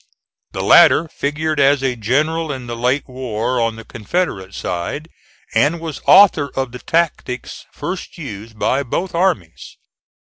The latter figured as a general in the late war, on the Confederate side, and was author of the tactics first used by both armies.